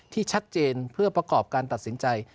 ที่ชัดเจนเพื่อประกอบการตัดสินใจ